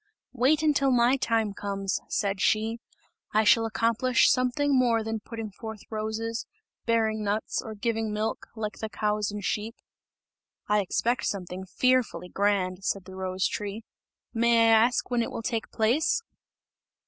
"Wait, until my time comes," said she, "I shall accomplish something more than putting forth roses, bearing nuts, or giving milk, like the cows and sheep!" "I expect something fearfully grand," said the rose tree, "may I ask when it will take place?"